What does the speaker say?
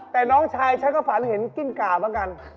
แต่น้องชายฉันก็ฝันเห็นกิ้งก่าเหมือนกัน